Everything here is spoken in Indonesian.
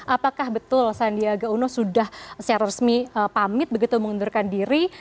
apakah betul sandiaga uno sudah secara resmi pamit begitu mengundurkan diri